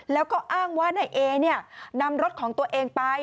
แล้วก็อ้างว่านายเอนำรถของตัวเองไป